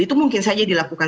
itu mungkin saja dilakukan